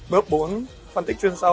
bước bốn phân tích chuyên sâu